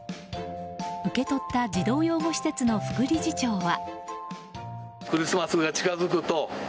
受け取った児童養護施設の副理事長は。